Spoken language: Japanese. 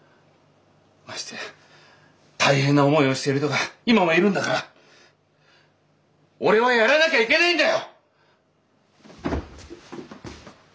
ましてや大変な思いをしてる人が今もいるんだから俺はやらなきゃいけねえんだよ！